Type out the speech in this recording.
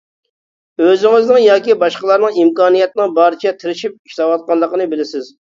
ئۆزىڭىزنىڭ ياكى باشقىلارنىڭ ئىمكانىيەتنىڭ بارىچە تىرىشىپ ئىشلەۋاتقانلىقىنى بىلىسىز.